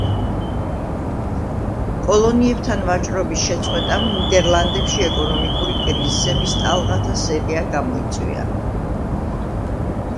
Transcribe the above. კოლონიებთან ვაჭრობის შეწყვეტამ ნიდერლანდებში ეკონომიკური კრიზისების ტალღათა სერია გამოწვია.